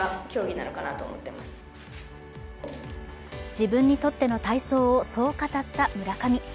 自分にとっての体操を、そう語った村上。